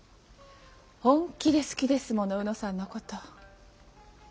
本気で好きですもの卯之さんのこと。